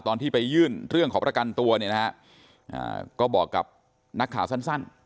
ตอนที่ไปยื่นเรื่องขอประกันตัวเนี่ยนะฮะก็บอกกับนักข่าวสั้น